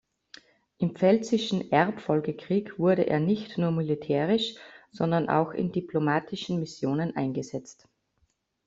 Im Pfälzischen Erbfolgekrieg wurde er nicht nur militärisch, sondern auch in diplomatischen Missionen eingesetzt.